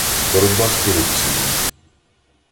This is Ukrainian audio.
Боротьба з корупцією.